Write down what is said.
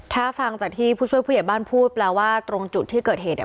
ถ้าฟังจากที่ผู้ช่วยผู้ใหญ่บ้านพูดแปลว่าตรงจุดที่เกิดเหตุเนี่ย